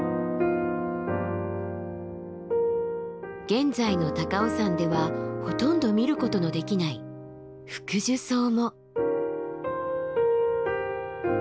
現在の高尾山ではほとんど見ることのできないフクジュソウも。